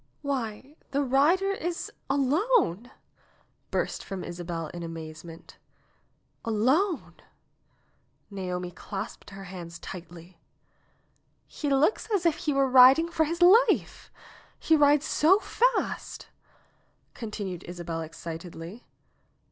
"Why, the rider is alone !" burst from Isabel in amaze ment. "Alone !" Naomi clasped her hands tightly. "He looks as if he were riding for his life ! He rides so fast !" continued Isabel excitedly.